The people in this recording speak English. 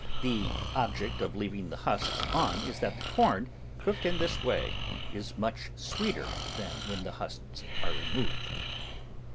The object of leaving the husks on is that the corn, cooked in this way, is much sweeter than when the husks are removed.